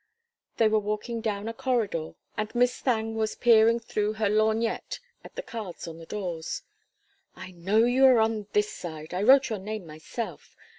They were walking down a corridor, and Miss Thangue was peering through her lorgnette at the cards on the doors. "I know you are on this side. I wrote your name myself.